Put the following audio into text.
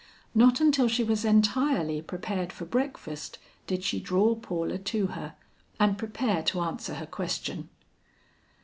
Not until she was entirely prepared for breakfast did she draw Paula to her, and prepare to answer her question.